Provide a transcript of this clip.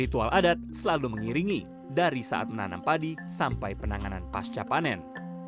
ritual adat selalu mengiringi dari saat menanam padi sampai penanganan pasca panen